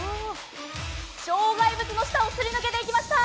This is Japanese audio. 障害物の下をくぐり抜けていきました。